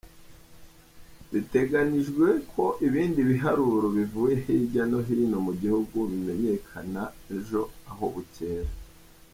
Bitegekanijwe ko ibindi biharuro bivuye hirya no hino mu gihugu bimenyekana ejo aho bukera.